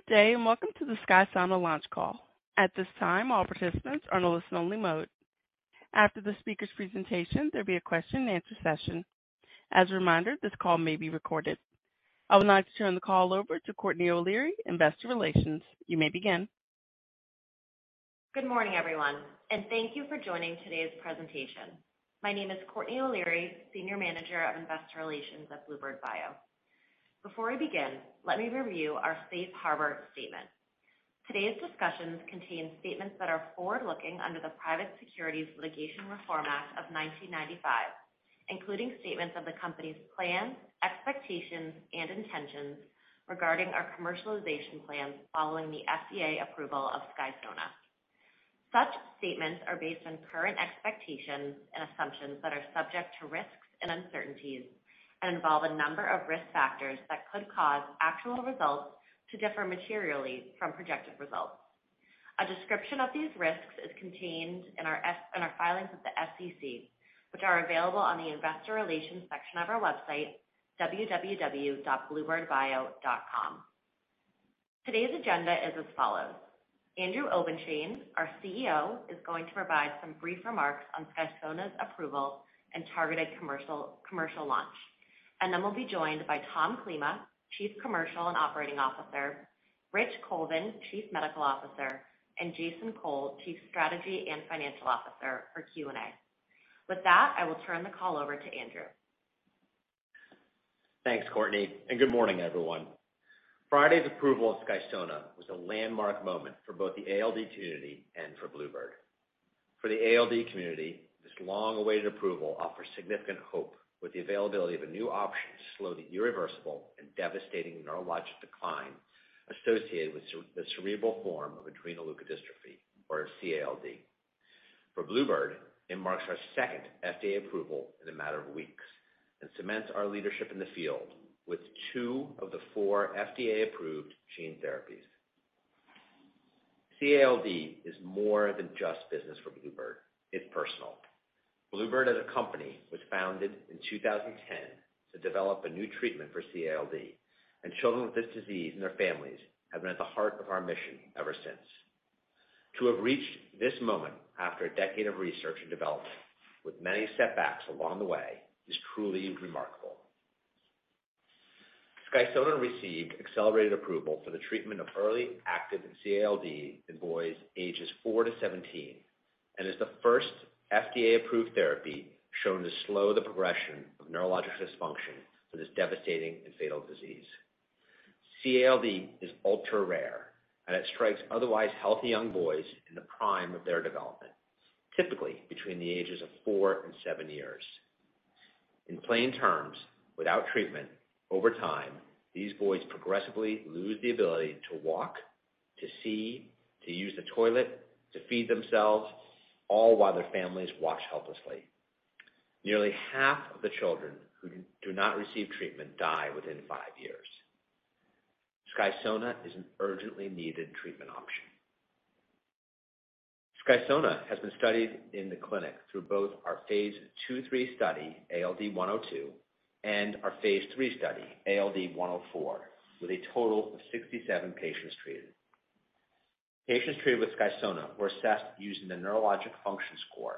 Good day, and welcome to the SKYSONA launch call. At this time, all participants are on a listen-only mode. After the speaker's presentation, there'll be a question and answer session. As a reminder, this call may be recorded. I would now like to turn the call over to Courtney O'Leary, Investor Relations. You may begin. Good morning everyone, and thank you for joining today's presentation. My name is Courtney O'Leary, Senior Manager of Investor Relations at bluebird bio. Before we begin, let me review our safe harbor statement. Today's discussions contain statements that are forward-looking under the Private Securities Litigation Reform Act of 1995, including statements of the company's plans, expectations, and intentions regarding our commercialization plans following the FDA approval of SKYSONA. Such statements are based on current expectations and assumptions that are subject to risks and uncertainties and involve a number of risk factors that could cause actual results to differ materially from projected results. A description of these risks is contained in our filings with the SEC, which are available on the Investor Relations section of our website, www.bluebirdbio.com. Today's agenda is as follows: Andrew Obenshain, our CEO, is going to provide some brief remarks on SKYSONA's approval and targeted commercial launch, and then we'll be joined by Tom Klima, Chief Commercial and Operating Officer, Rich Colvin, Chief Medical Officer, and Jason Cole, Chief Strategy and Financial Officer for Q&A. With that, I will turn the call over to Andrew. Thanks, Courtney, and good morning, everyone. Friday's approval of SKYSONA was a landmark moment for both the ALD community and for bluebird. For the ALD community, this long-awaited approval offers significant hope with the availability of a new option to slow the irreversible and devastating neurologic decline associated with the cerebral form of adrenoleukodystrophy or CALD. For bluebird, it marks our second FDA approval in a matter of weeks and cements our leadership in the field with two of the four FDA-approved gene therapies. CALD is more than just business for bluebird. It's personal. bluebird as a company was founded in 2010 to develop a new treatment for CALD, and children with this disease and their families have been at the heart of our mission ever since. To have reached this moment after a decade of research and development with many setbacks along the way is truly remarkable. SKYSONA received accelerated approval for the treatment of early active CALD in boys ages 4-17 and is the first FDA-approved therapy shown to slow the progression of neurologic dysfunction for this devastating and fatal disease. CALD is ultra-rare, and it strikes otherwise healthy young boys in the prime of their development, typically between the ages of 4 and 7 years. In plain terms, without treatment over time, these boys progressively lose the ability to walk, to see, to use the toilet, to feed themselves, all while their families watch helplessly. Nearly half of the children who do not receive treatment die within 5 years. SKYSONA is an urgently needed treatment option. SKYSONA has been studied in the clinic through both our phase 2/3 study, ALD-102, and our phase 3 study, ALD-104, with a total of 67 patients treated. Patients treated with SKYSONA were assessed using the Neurologic Function Score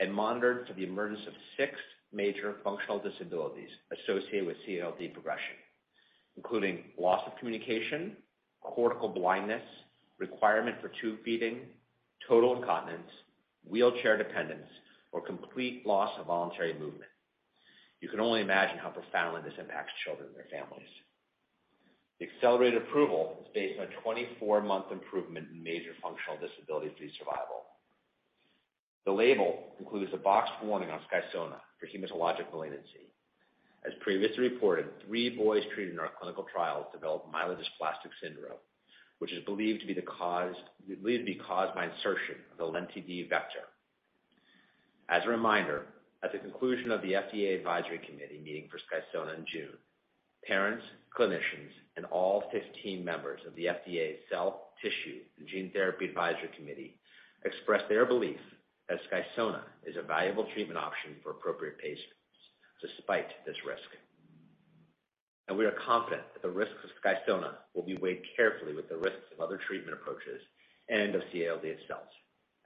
and monitored for the emergence of 6 major functional disabilities associated with CALD progression, including loss of communication, cortical blindness, requirement for tube feeding, total incontinence, wheelchair dependence, or complete loss of voluntary movement. You can only imagine how profoundly this impacts children and their families. The accelerated approval is based on a 24-month improvement in major functional disabilities free survival. The label includes a boxed warning on SKYSONA for hematologic malignancy. As previously reported, 3 boys treated in our clinical trials developed myelodysplastic syndrome, which is believed to be caused by insertion of the Lenti-D vector. As a reminder, at the conclusion of the FDA Advisory Committee meeting for SKYSONA in June, parents, clinicians, and all 15 members of the FDA's Cellular, Tissue, and Gene Therapies Advisory Committee expressed their belief that SKYSONA is a valuable treatment option for appropriate patients despite this risk. We are confident that the risks of SKYSONA will be weighed carefully with the risks of other treatment approaches and of CALD itself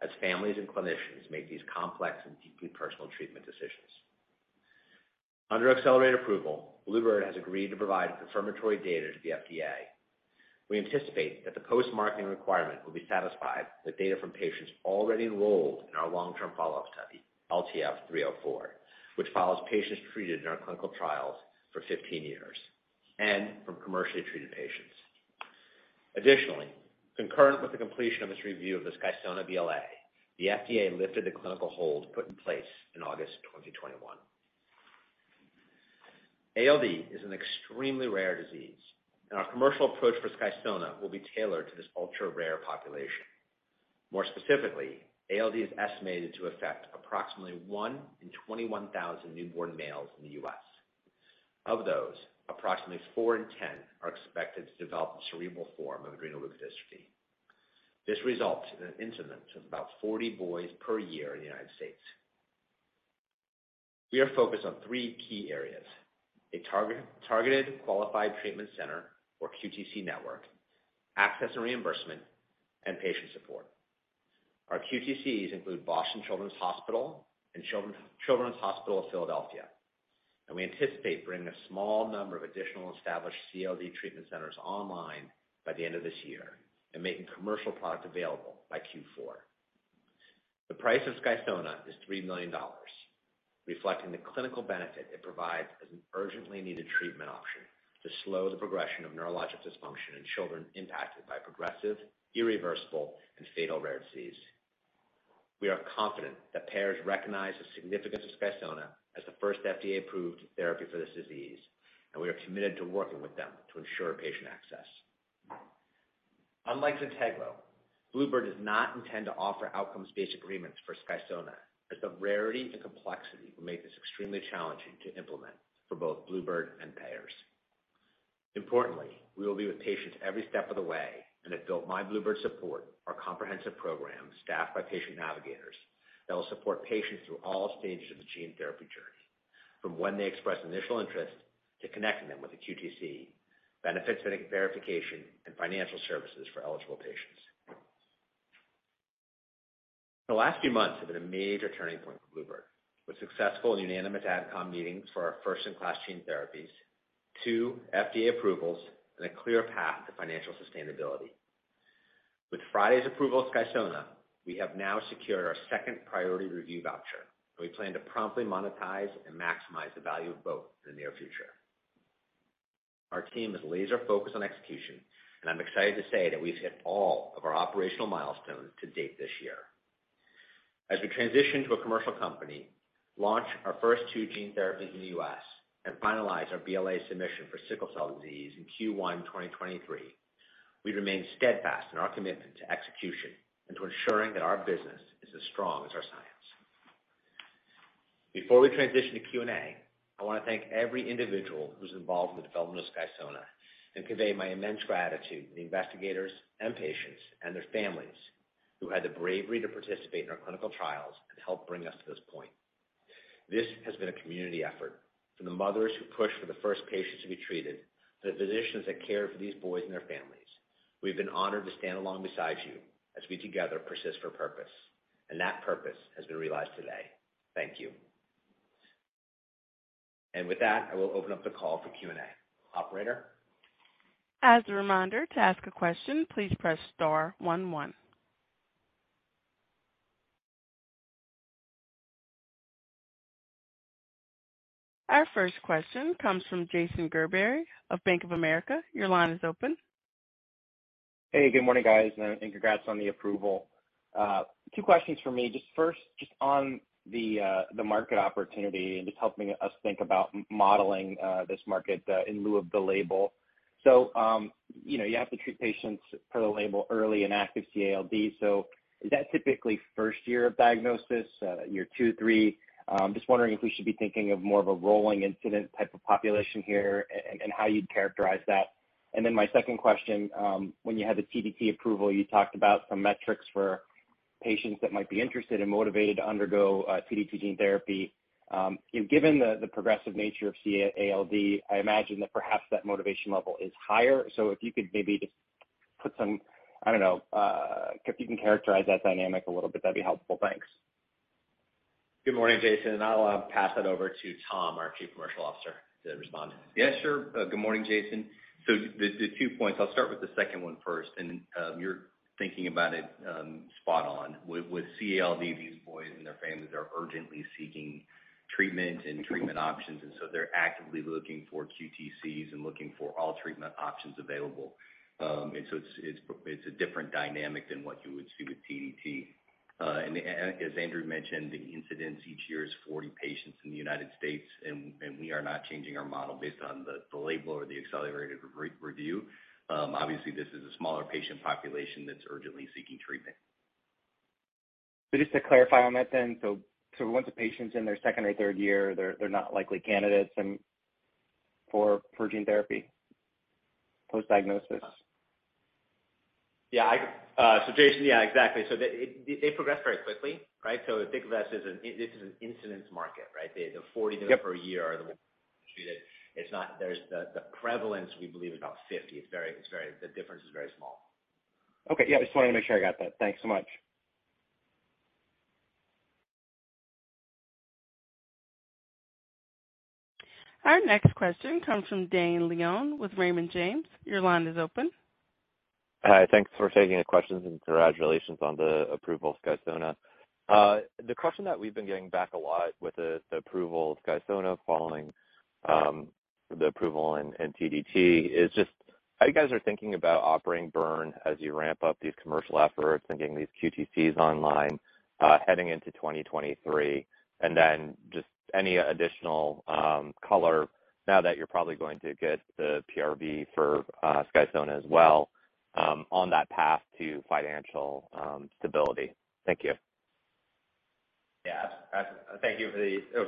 as families and clinicians make these complex and deeply personal treatment decisions. Under accelerated approval, bluebird bio has agreed to provide confirmatory data to the FDA. We anticipate that the post-marketing requirement will be satisfied with data from patients already enrolled in our long-term follow-up study, LTF-304, which follows patients treated in our clinical trials for 15 years and from commercially treated patients. Additionally, concurrent with the completion of this review of the SKYSONA BLA, the FDA lifted the clinical hold put in place in August 2021. ALD is an extremely rare disease, and our commercial approach for SKYSONA will be tailored to this ultra-rare population. More specifically, ALD is estimated to affect approximately 1 in 21,000 newborn males in the U.S. Of those, approximately 4 in 10 are expected to develop the cerebral form of adrenoleukodystrophy. This results in an incidence of about 40 boys per year in the United States. We are focused on three key areas. A targeted qualified treatment center or QTC network, access and reimbursement, and patient support. Our QTCs include Boston Children's Hospital and Children's Hospital of Philadelphia, and we anticipate bringing a small number of additional established CALD treatment centers online by the end of this year and making commercial product available by Q4. The price of SKYSONA is $3 million, reflecting the clinical benefit it provides as an urgently needed treatment option to slow the progression of neurologic dysfunction in children impacted by progressive, irreversible, and fatal rare disease. We are confident that payers recognize the significance of SKYSONA as the first FDA-approved therapy for this disease, and we are committed to working with them to ensure patient access. Unlike ZYNTEGLO, bluebird bio does not intend to offer outcomes-based agreements for SKYSONA, as the rarity and complexity will make this extremely challenging to implement for both bluebird bio and payers. Importantly, we will be with patients every step of the way, and have built my bluebird support, our comprehensive program staffed by patient navigators that will support patients through all stages of the gene therapy journey, from when they express initial interest to connecting them with the QTC, benefits verification, and financial services for eligible patients. The last few months have been a major turning point for bluebird bio, with successful unanimous AdCom meetings for our first-in-class gene therapies, two FDA approvals, and a clear path to financial sustainability. With Friday's approval of SKYSONA, we have now secured our second priority review voucher, and we plan to promptly monetize and maximize the value of both in the near future. Our team is laser-focused on execution, and I'm excited to say that we've hit all of our operational milestones to date this year. As we transition to a commercial company, launch our first two gene therapies in the U.S., and finalize our BLA submission for sickle cell disease in Q1 2023, we remain steadfast in our commitment to execution and to ensuring that our business is as strong as our science. Before we transition to Q&A, I wanna thank every individual who's involved in the development of SKYSONA and convey my immense gratitude to the investigators and patients and their families who had the bravery to participate in our clinical trials and help bring us to this point. This has been a community effort. From the mothers who pushed for the first patients to be treated, to the physicians that cared for these boys and their families. We've been honored to stand alongside you as we together persist for purpose, and that purpose has been realized today. Thank you. With that, I will open up the call for Q&A. Operator? As a reminder, to ask a question, please press star one one. Our first question comes from Jason Gerberry of Bank of America. Your line is open. Hey, good morning, guys, and congrats on the approval. Two questions from me. First, on the market opportunity and helping us think about modeling this market in lieu of the label. You have to treat patients per the label early in active CALD, so is that typically first year of diagnosis, year two, three? Just wondering if we should be thinking of more of a rolling incident type of population here and how you'd characterize that. Then my second question, when you had the TDT approval, you talked about some metrics for patients that might be interested and motivated to undergo TDT gene therapy. You know, given the progressive nature of CALD, I imagine that perhaps that motivation level is higher. If you could maybe just put some, I don't know, if you can characterize that dynamic a little bit, that'd be helpful. Thanks. Good morning, Jason. I'll pass that over to Tom, our Chief Commercial Officer, to respond. Yeah, sure. Good morning, Jason. The two points, I'll start with the second one first, and you're thinking about it spot on. With CALD, these boys and their families are urgently seeking treatment and treatment options, and so they're actively looking for QTCs and looking for all treatment options available. It's a different dynamic than what you would see with TDT. As Andrew mentioned, the incidence each year is 40 patients in the United States, and we are not changing our model based on the label or the accelerated approval. Obviously this is a smaller patient population that's urgently seeking treatment. Just to clarify on that then, once a patient's in their second or third year, they're not likely candidates for gene therapy post-diagnosis? Yeah. Jason, yeah, exactly. They progress very quickly, right? Think of this as an incidence market, right? The forty- Yep. Few per year are the ones treated. There's the prevalence we believe is about 50. It's very. The difference is very small. Okay. Yeah, just wanted to make sure I got that. Thanks so much. Our next question comes from Dane Leone with Raymond James. Your line is open. Hi. Thanks for taking the questions, and congratulations on the approval of SKYSONA. The question that we've been getting back a lot with the approval of SKYSONA following the approval in TDT is just how you guys are thinking about operating burn as you ramp up these commercial efforts and getting these QTCs online, heading into 2023. Then just any additional color now that you're probably going to get the PRV for SKYSONA as well, on that path to financial stability. Thank you. Thank you.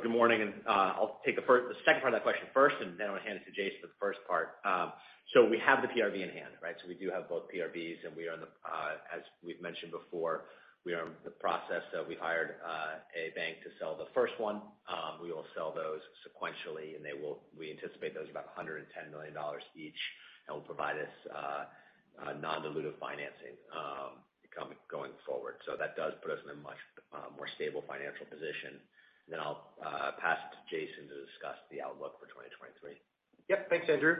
Good morning. I'll take the second part of that question first, and then I'll hand it to Jason for the first part. We have the PRV in hand, right? We do have both PRVs, and as we've mentioned before, we are in the process. We hired a bank to sell the first one. We will sell those sequentially, and we anticipate those about $110 million each. That will provide us a non-dilutive financing going forward. That does put us in a much more stable financial position. I'll pass it to Jason to discuss the outlook for 2023. Yep. Thanks, Andrew.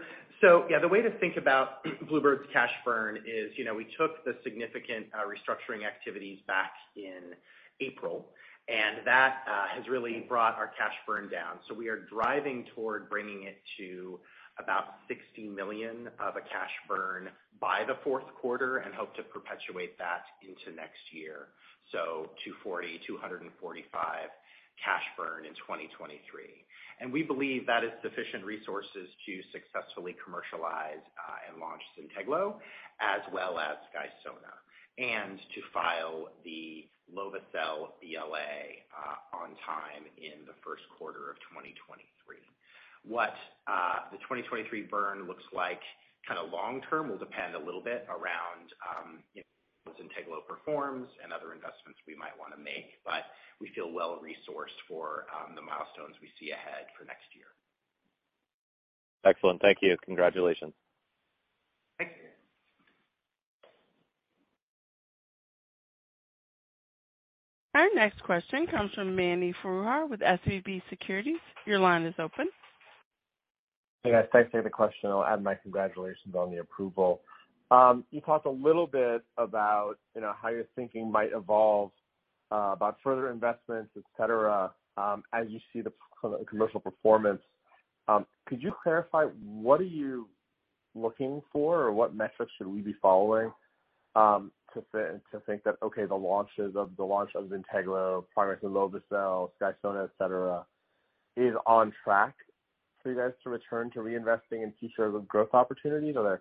Yeah, the way to think about bluebird bio's cash burn is, you know, we took the significant restructuring activities back in April, and that has really brought our cash burn down. We are driving toward bringing it to about $60 million cash burn by the fourth quarter and hope to perpetuate that into next year. 240, 245 cash burn in 2023. We believe that is sufficient resources to successfully commercialize and launch ZYNTEGLO as well as SKYSONA, and to file the lovo-cel BLA on time in the first quarter of 2023. What the 2023 burn looks like long term will depend a little bit around, you know, how ZYNTEGLO performs and other investments we might wanna make, but we feel well-resourced for the milestones we see ahead for next year. Excellent. Thank you. Congratulations. Thank you. Our next question comes from Mani Foroohar with SVB Securities. Your line is open. Hey, guys. Thanks for the question. I'll add my congratulations on the approval. You talked a little bit about, you know, how your thinking might evolve, about further investments, et cetera, as you see the commercial performance. Could you clarify what are you looking for or what metrics should we be following, to think that, okay, the launch of ZYNTEGLO, lovo-cel, SKYSONA, et cetera, is on track for you guys to return to reinvesting in key areas of growth opportunities? Or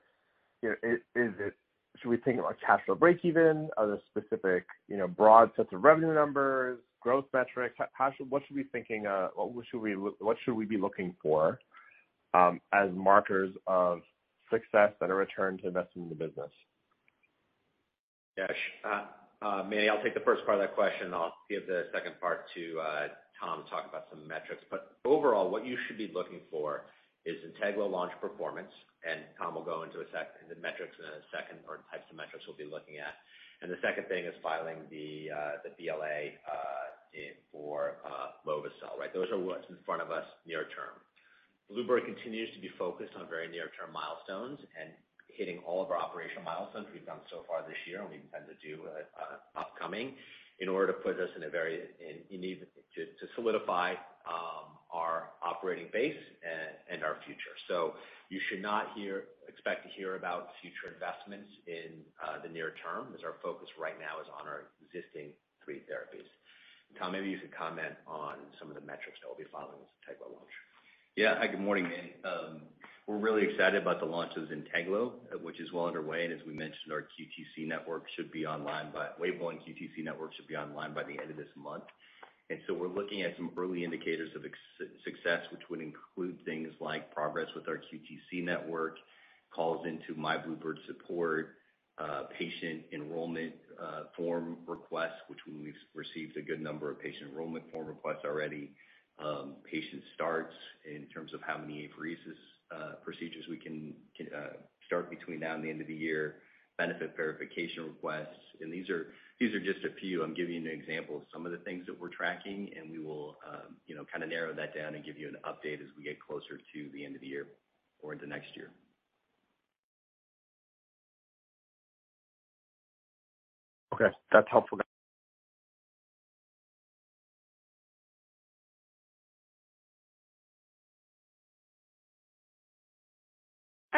is it should we think about cash or breakeven? Are there specific, you know, broad sets of revenue numbers, growth metrics? How should we be thinking, what should we be looking for, as markers of success and a return to investing in the business? Yeah. Mani, I'll take the first part of that question. I'll give the second part to Tom to talk about some metrics. Overall, what you should be looking for is ZYNTEGLO launch performance, and Tom will go into the metrics in a second or types of metrics we'll be looking at. The second thing is filing the BLA for lovo-cel, right? Those are what's in front of us near term. bluebird continues to be focused on very near-term milestones and hitting all of our operational milestones we've done so far this year and we intend to do upcoming in order to put us in a very solid operating base and our future. You should not expect to hear about future investments in the near term, as our focus right now is on our existing three therapies. Tom, maybe you could comment on some of the metrics that we'll be following with ZYNTEGLO launch. Yeah. Hi, good morning, Mani. We're really excited about the launch of ZYNTEGLO, which is well underway. As we mentioned, Wave One QTC network should be online by the end of this month. We're looking at some early indicators of success, which would include things like progress with our QTC network, calls into my bluebird support, patient enrollment form requests, which we've received a good number of patient enrollment form requests already. Patient starts in terms of how many apheresis procedures we can start between now and the end of the year, benefit verification requests. These are just a few. I'm giving you an example of some of the things that we're tracking, and we will, you know, kind of narrow that down and give you an update as we get closer to the end of the year or into next year. Okay. That's helpful,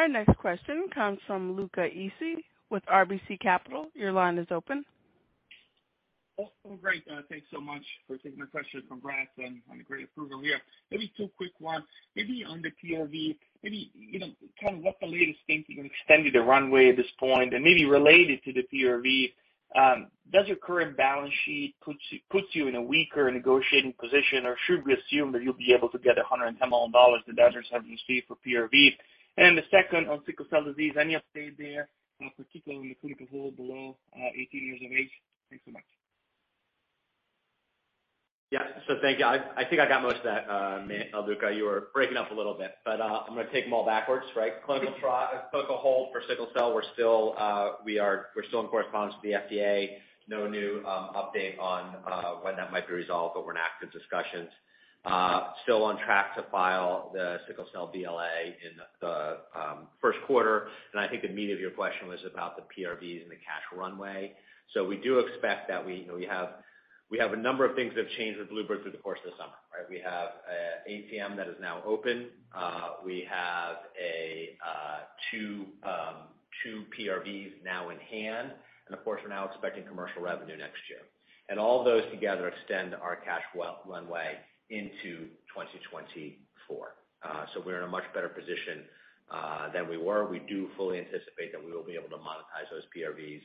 guys. Our next question comes from Luca Issi with RBC Capital Markets. Your line is open. Oh, great. Thanks so much for taking my question. Congrats on the great approval here. Maybe two quick ones. Maybe on the PRV, maybe, kind of what's the latest thinking on extending the runway at this point? And maybe related to the PRV, does your current balance sheet puts you in a weaker negotiating position, or should we assume that you'll be able to get $110 million in redemption fee for PRV? And the second on sickle cell disease, any update there, particularly in the clinical hold below 18 years of age? Thanks so much. Yeah. Thank you. I think I got most of that, Luca. You were breaking up a little bit, but I'm gonna take them all backwards, right? Clinical hold for sickle cell, we're still in correspondence with the FDA. No new update on when that might be resolved, but we're in active discussions. Still on track to file the sickle cell BLA in the first quarter. I think the meat of your question was about the PRVs and the cash runway. We do expect that. You know, we have a number of things that have changed with bluebird bio through the course of the summer, right? We have ATM that is now open. We have two PRVs now in hand. Of course, we're now expecting commercial revenue next year. All those together extend our cash runway. Into 2024. We're in a much better position than we were. We do fully anticipate that we will be able to monetize those PRVs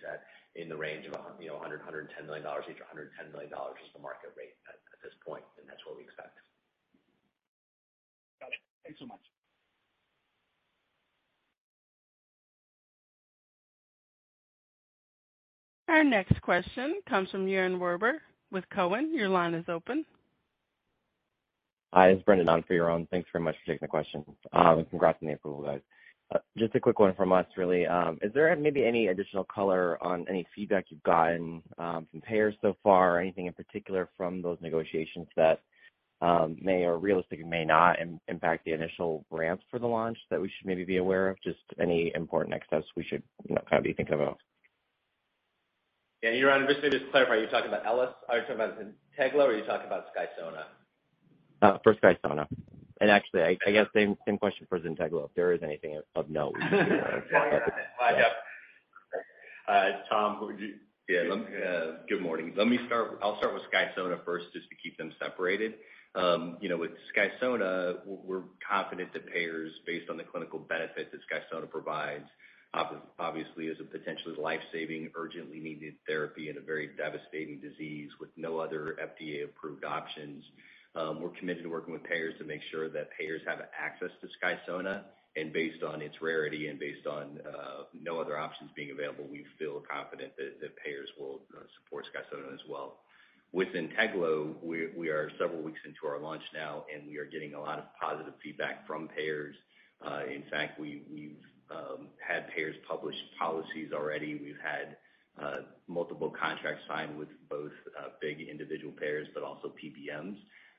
in the range of $100-$110 million each. $110 million is the market rate at this point, and that's what we expect. Got it. Thanks so much. Our next question comes from Yaron Werber with Cowen. Your line is open. Hi, this is Brendan on for Yaron. Thanks very much for taking the question. Congrats on the approval, guys. Just a quick one from us, really. Is there maybe any additional color on any feedback you've gotten from payers so far? Or anything in particular from those negotiations that may or may not impact the initial ramps for the launch that we should maybe be aware of? Just any important next steps we should, you know, kind of be thinking about. Yeah. Yaron, just maybe to clarify, are you talking about ZYNTEGLO or are you talking about SKYSONA? For SKYSONA. Actually, I guess same question for ZYNTEGLO, if there is anything of note. Yep. Tom, would you- Yeah. Let me. Good morning. Let me start with SKYSONA first, just to keep them separated. You know, with SKYSONA we're confident that payers, based on the clinical benefit that SKYSONA provides, obviously is a potentially life-saving, urgently needed therapy in a very devastating disease with no other FDA-approved options. We're committed to working with payers to make sure that payers have access to SKYSONA. Based on its rarity and based on no other options being available, we feel confident that payers will support SKYSONA as well. With ZYNTEGLO, we are several weeks into our launch now, and we are getting a lot of positive feedback from payers. In fact we've had payers publish policies already. We've had multiple contracts signed with both big individual payers but also PBMs.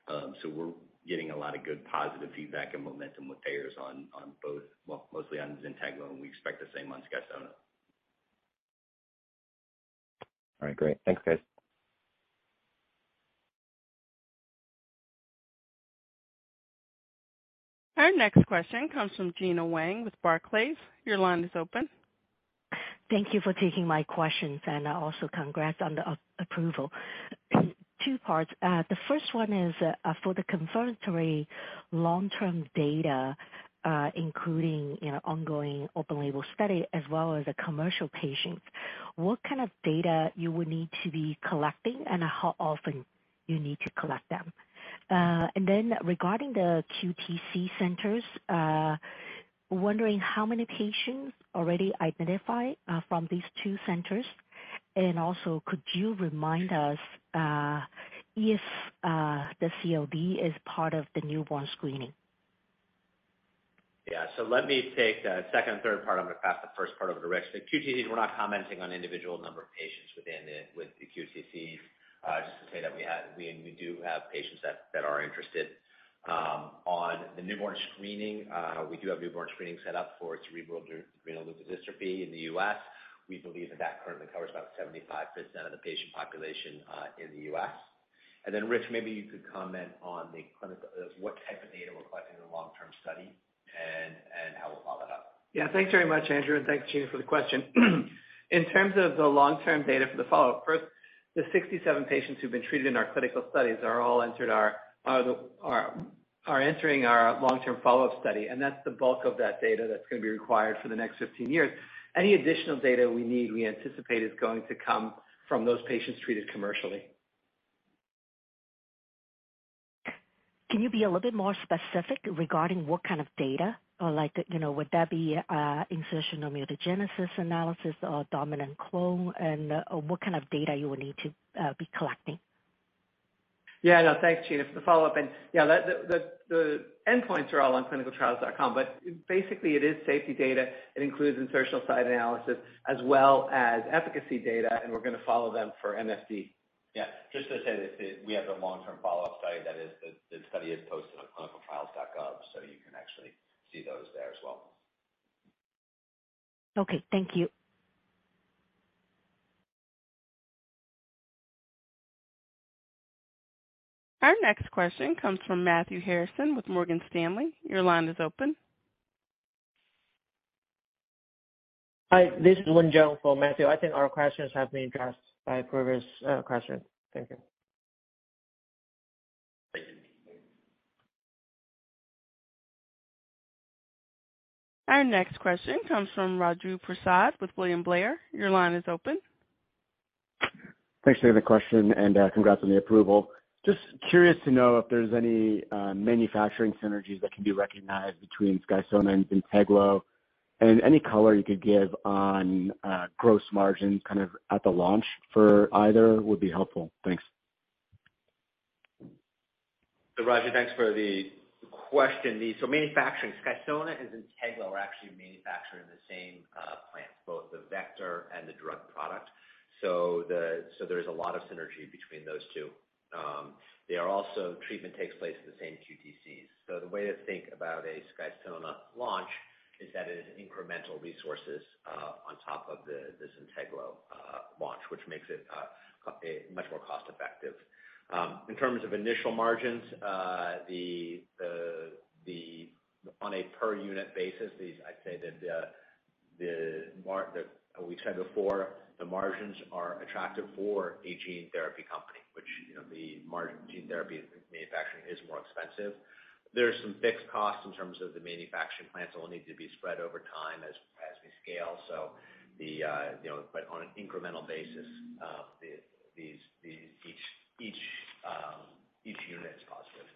We're getting a lot of good positive feedback and momentum with payers mostly on ZYNTEGLO, and we expect the same on SKYSONA. All right. Great. Thanks, guys. Our next question comes from Gena Wang with Barclays. Your line is open. Thank you for taking my questions, and also congrats on the approval. Two parts. The first one is for the confirmatory long-term data, including, you know, ongoing open label study as well as the commercial patients, what kind of data you would need to be collecting and how often you need to collect them? Regarding the QTC centers, wondering how many patients already identified from these two centers. Also could you remind us if the CALD is part of the newborn screening? Yeah. Let me take the second and third part. I'm gonna pass the first part over to Rich. The QTCs, we're not commenting on individual number of patients within the QTCs. Just to say that we do have patients that are interested. On the newborn screening, we do have newborn screening set up for cerebral adrenoleukodystrophy in the U.S. We believe that currently covers about 75% of the patient population in the U.S. Then Rich, maybe you could comment on the clinical what type of data we're collecting in the long-term study and how we'll follow it up. Yeah. Thanks very much, Andrew. Thanks, Gena, for the question. In terms of the long-term data for the follow-up, first, the 67 patients who've been treated in our clinical studies are all entering our long-term follow-up study, and that's the bulk of that data that's gonna be required for the next 15 years. Any additional data we need, we anticipate is going to come from those patients treated commercially. Can you be a little bit more specific regarding what kind of data? Or, like, you know, would that be insertional mutagenesis analysis or dominant clone? What kind of data you would need to be collecting? Yeah. No. Thanks, Gena, for the follow-up. Yeah, the endpoints are all on ClinicalTrials.gov. Basically it is safety data. It includes insertional site analysis as well as efficacy data, and we're gonna follow them for MFD. Yeah. Just to say that we have the long-term follow-up study. The study is posted on ClinicalTrials.gov, so you can actually see those there as well. Okay, thank you. Our next question comes from Matthew Harrison with Morgan Stanley. Your line is open. Hi, this is Wen Jiang for Matthew. I think our questions have been addressed by previous question. Thank you. Thank you. Our next question comes from Raju Prasad with William Blair. Your line is open. Thanks for the question and congrats on the approval. Just curious to know if there's any manufacturing synergies that can be recognized between SKYSONA and ZYNTEGLO. Any color you could give on gross margin kind of at the launch for either would be helpful. Thanks. Raju, thanks for the question. Manufacturing SKYSONA and ZYNTEGLO are actually manufactured in the same plant, both the vector and the drug product. There's a lot of synergy between those two. They are also, treatment takes place at the same QTCs. The way to think about a SKYSONA launch is that it is incremental resources on top of the ZYNTEGLO launch, which makes it a much more cost-effective. In terms of initial margins on a per unit basis, I'd say that the margins are attractive for a gene therapy company, which the margin gene therapy manufacturing is more expensive. There's some fixed costs in terms of the manufacturing plants that will need to be spread over time as we scale. You know, but on an incremental basis, each unit is positive.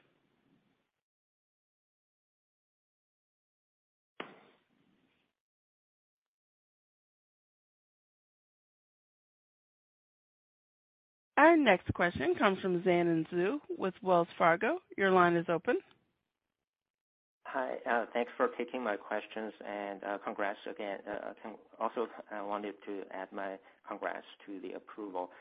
Our next question comes from Yanan Zhu with Wells Fargo. Your line is open. Hi, thanks for taking my questions and, congrats again. Congrats also, I wanted to add my congrats to the approval.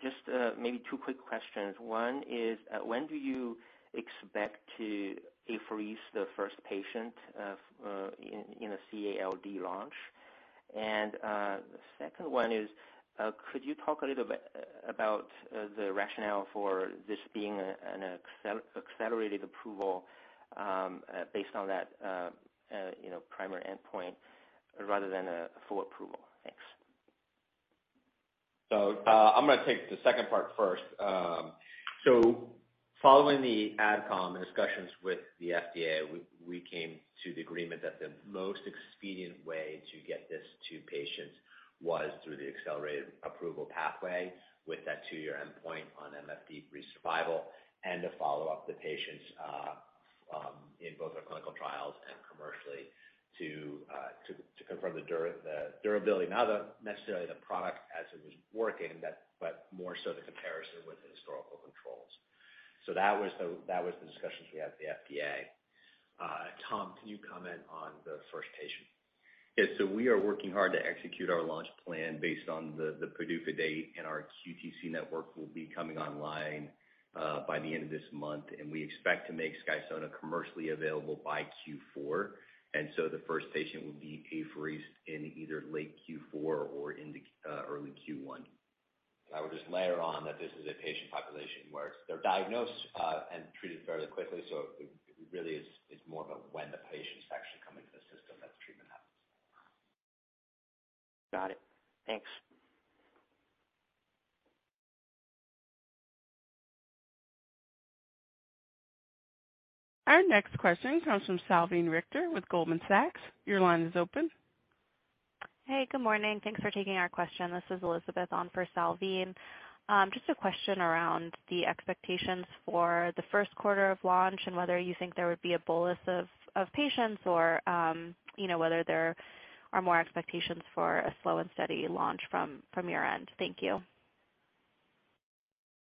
Just, maybe two quick questions. One is, when do you expect to apheresis the first patient, in a CALD launch? The second one is, could you talk a little about the rationale for this being an accelerated approval, based on that, you know, primary endpoint rather than a full approval? Thanks. I'm gonna take the second part first. Following the AdCom and discussions with the FDA, we came to the agreement that the most expedient way to get this to patients was through the accelerated approval pathway with that two-year endpoint on MFD-free survival and to follow up the patients in both our clinical trials and commercially to confirm the durability, not necessarily the product as it was working that, but more so the comparison with the historical controls. That was the discussions we had with the FDA. Tom, can you comment on the first patient? Yes. We are working hard to execute our launch plan based on the PDUFA date and our QTC network will be coming online by the end of this month. We expect to make SKYSONA commercially available by Q4. The first patient will be apheresis in either late Q4 or in the early Q1. I would just layer on that this is a patient population where they're diagnosed and treated fairly quickly. It really is more about when the patients actually come into the system that the treatment happens. Got it. Thanks. Our next question comes from Salveen Richter with Goldman Sachs. Your line is open. Hey, good morning. Thanks for taking our question. This is Elizabeth on for Salveen. Just a question around the expectations for the first quarter of launch and whether you think there would be a bolus of patients or, you know, whether there are more expectations for a slow and steady launch from your end. Thank you.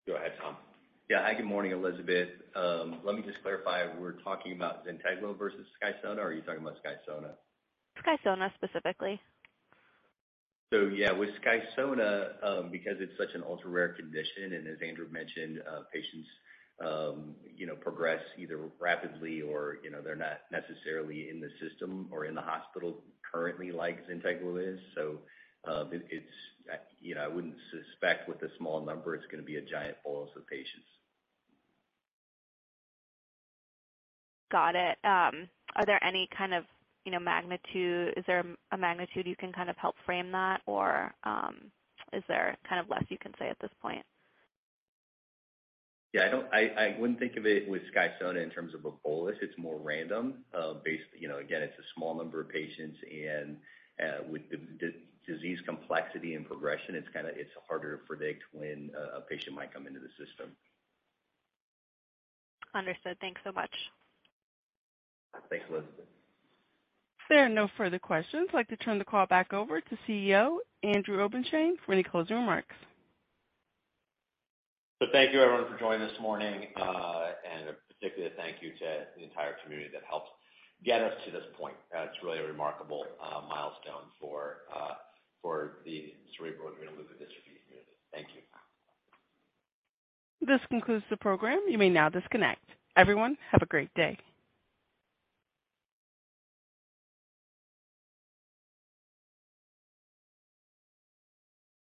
Go ahead, Tom. Yeah. Hi, good morning, Elizabeth. Let me just clarify. We're talking about ZYNTEGLO versus SKYSONA or are you talking about SKYSONA? SKYSONA specifically. with SKYSONA, because it's such an ultra-rare condition and as Andrew mentioned, patients progress either rapidly or they're not necessarily in the system or in the hospital currently like ZYNTEGLO is. It's, I wouldn't suspect with the small number it's gonna be a giant bolus of patients. Got it. Are there any kind of, you know, magnitude? Is there a magnitude you can kind of help frame that? Or, is there kind of less you can say at this point? Yeah, I wouldn't think of it with SKYSONA in terms of a bolus. It's more random. Based, you know, again, it's a small number of patients and with the disease complexity and progression, it's kinda harder to predict when a patient might come into the system. Understood. Thanks so much. Thanks, Elizabeth. If there are no further questions, I'd like to turn the call back over to CEO, Andrew Obenshain, for any closing remarks. Thank you everyone for joining this morning, and a particular thank you to the entire community that helped get us to this point. It's really a remarkable milestone for the cerebral adrenoleukodystrophy community. Thank you. This concludes the program. You may now disconnect. Everyone, have a great day.